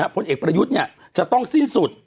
ผลเอกประยุทธ์จะต้องสิ้นสุด